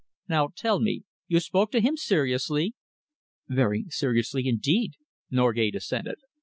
Now tell me, you spoke to him seriously?" "Very seriously, indeed," Norgate assented.